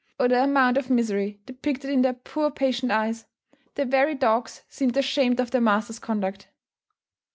Oh, the amount of misery depicted in their poor patient eyes! The very dogs seemed ashamed of their master's conduct.